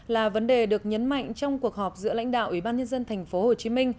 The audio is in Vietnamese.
là vấn đề được nhấn mạnh trong cuộc họp giữa lãnh đạo ủy ban nhân dân tp hcm